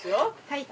はい。